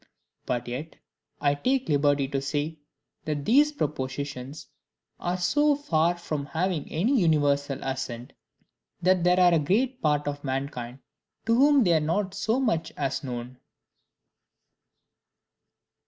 But yet I take liberty to say, that these propositions are so far from having an universal assent, that there are a great part of mankind to whom they are not so much as known.